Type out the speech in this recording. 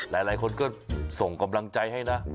หลายคนก็ส่งกำลังใจให้นะ